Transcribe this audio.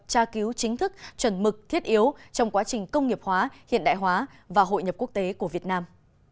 tra cứu chính thức chuẩn mực thiết yếu trong quá trình công nghiệp hóa hiện đại hóa và hội nhập quốc tế của việt nam